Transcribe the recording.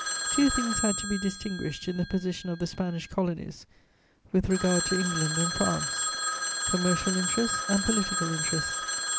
Two things had to be distinguished in the position of the Spanish Colonies with regard to England and France: commercial interests and political interests.